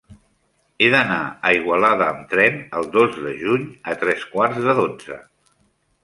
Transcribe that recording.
He d'anar a Igualada amb tren el dos de juny a tres quarts de dotze.